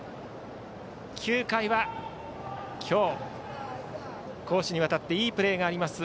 ９回は今日、攻守にわたっていいプレーがあります